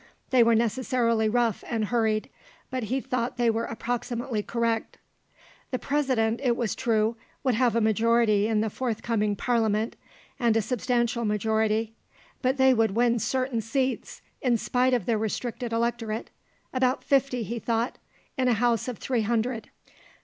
They were necessarily rough and hurried, but he thought they were approximately correct. The President, it was true, would have a majority in the forthcoming Parliament, and a substantial majority; but they would win certain seats, in spite of the restricted electorate; about fifty, he thought, in a house of three hundred.